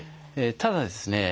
ただですね